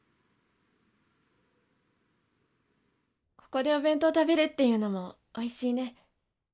ここでお弁当食べるっていうのもおいしいね。